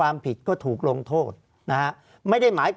ภารกิจสรรค์ภารกิจสรรค์